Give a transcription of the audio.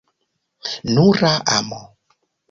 Nura amo!